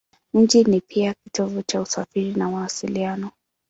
Mji ni pia kitovu cha usafiri na mawasiliano.